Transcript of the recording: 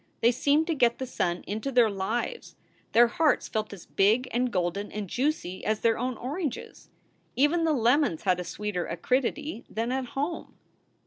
They seemed to get the sun into their lives. Their hearts felt as big and golden and juicy as their own oranges. Even the lemons had a sweeter acridity than at home.